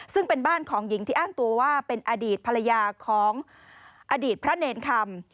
ซึ่งเป็นบ้านของหญิงที่อ้างตัวว่าเป็นอดีตภรรยาของอดีตพระเนรคำ